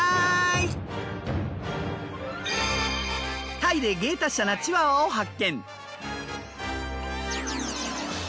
タイで芸達者なチワワを発見。